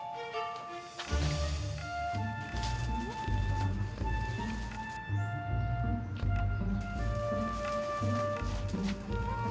kasar laki laki ganjan